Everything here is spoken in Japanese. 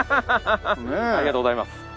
ハハッありがとうございます。